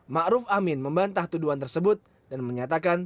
maruf amin membantah tuduhan tersebut dan menyatakan